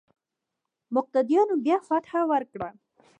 مقتديانو بيا فتحه ورکړه.